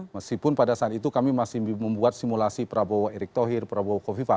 meskipun pada saat itu kami masih membuat simulasi prabowo erick thohir prabowo kofifa